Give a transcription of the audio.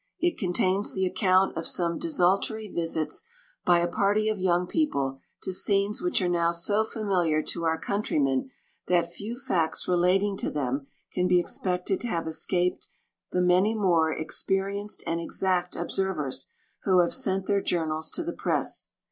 It contains the account of some desultory visits by a party of young people to scenes which are now so familiar to our coun trymen, that few facts relating to them can be expected to have escaped the many more experienced and exact ob servers, who have sent their journals to the press.